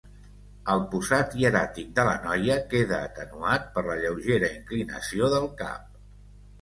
El posat hieràtic de la noia queda atenuat per la lleugera inclinació del cap.